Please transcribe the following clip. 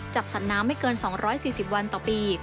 สัตว์น้ำไม่เกิน๒๔๐วันต่อปี